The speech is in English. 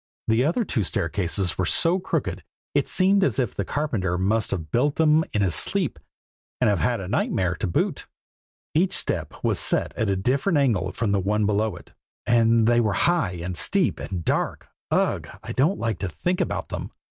The other two staircases were so crooked it seemed as if the carpenter must have built them in his sleep, and have had the nightmare to boot. Each step was set at a different angle from the one below it; and they were high, and steep, and dark ugh! I don't like to think about them.